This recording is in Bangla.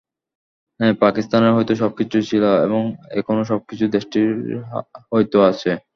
হ্যাঁ, পাকিস্তানের হয়তো সবকিছুই ছিল এবং এখনো সবকিছুই দেশটির হয়তো আছে।